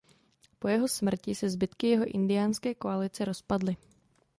Po jeho smrti se zbytky jeho indiánské koalice rozpadly.